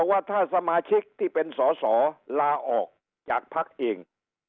ว่าถ้าสมาชิกที่เป็นสอสอลาออกจากภักดิ์เอง